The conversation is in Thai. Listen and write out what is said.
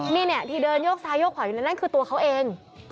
นี่เนี่ยที่เดินโยกซ้ายโยกขวาอยู่นั่นคือตัวเขาเอง